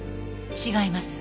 違います。